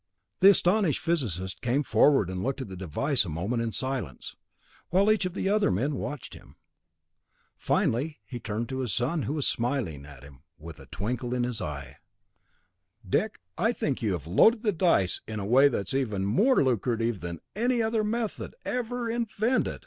The astonished physicist came forward and looked at the device a moment in silence, while each of the other men watched him. Finally he turned to his son, who was smiling at him with a twinkle in his eye. "Dick, I think you have 'loaded the dice' in a way that is even more lucrative than any other method ever invented!